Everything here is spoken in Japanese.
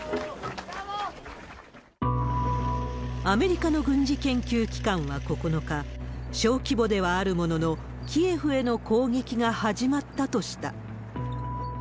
アメリカの軍事研究機関は９日、小規模ではあるものの、キエフへの攻撃が始まったとした。